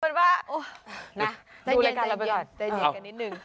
ดูรายการเราไปก่อนใจเย็นกันนิดนึง